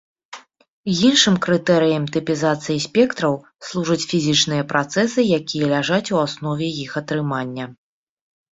Іншым крытэрыем тыпізацыі спектраў служаць фізічныя працэсы, якія ляжаць у аснове іх атрымання.